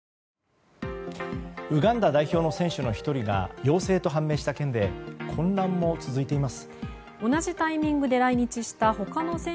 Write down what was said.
ウガンダ代表の選手が陽性と判明した件で混乱も続いています。